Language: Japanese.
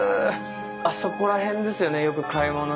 あそこら辺ですよねよく買い物してたの。